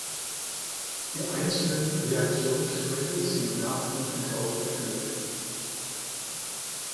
Die einzelnen Reaktionsschritte sind nachfolgend aufgeführt.